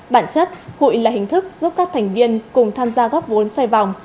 bản chất hụi là hình thức giúp các thành viên cùng tham gia góp vốn xoay vòng